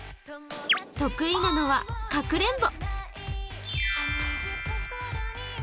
得意なのはかくれんぼ。